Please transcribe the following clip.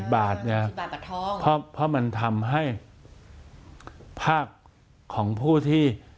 ๓๐บาทอย่างนี้ครับพอมันทำให้ภาคของผู้ที่